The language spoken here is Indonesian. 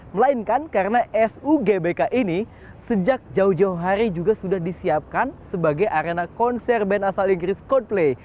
melainkan karena sugbk ini sejak jauh jauh hari juga sudah disiapkan sebagai arena konser band asal inggris coldplay